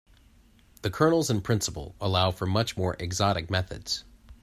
The kernels in principle allow for much more exotic methods.